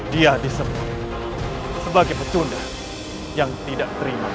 dia disebut sebagai pecunda yang tidak terima kalah